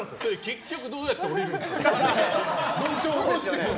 結局、どうやって下りるんだよ。